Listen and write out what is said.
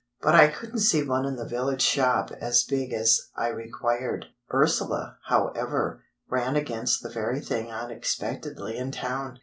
But I couldn't see one in the village shop as big as I required. Ursula, however, ran against the very thing unexpectedly in town.